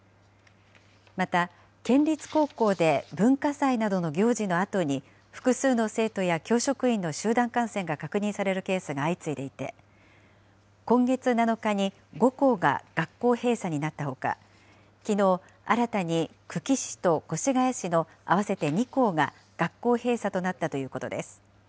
また、県立高校で文化祭などの行事のあとに、複数の生徒や教職員の集団感染が確認されるケースが相次いでいて、今月７日に５校が学校閉鎖になったほか、きのう、新たに久喜市と越谷市の合わせて２校が学校閉鎖となったということです。